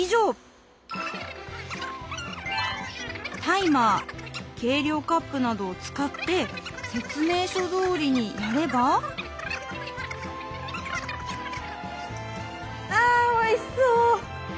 タイマー計量カップなどを使って説明書どおりにやればあおいしそう！